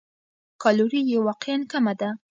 کالوري یې واقعاً کمه ده.